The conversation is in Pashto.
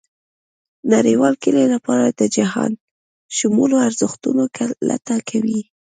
نړېوال کلي لپاره جهانشمولو ارزښتونو لټه کوي.